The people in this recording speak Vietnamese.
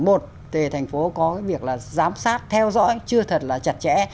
một thành phố có việc giám sát theo dõi chưa thật là chặt chẽ